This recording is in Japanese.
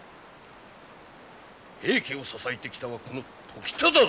平家を支えてきたはこの時忠ぞ！